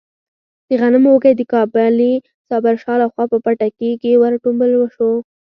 د غنمو وږی د کابلي صابر شاه لخوا په پټکي کې ور وټومبل شو.